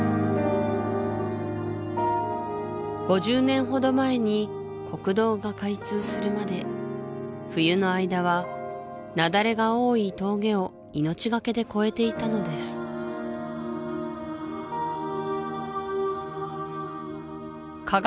５０年ほど前に国道が開通するまで冬の間は雪崩が多い峠を命がけで越えていたのです加賀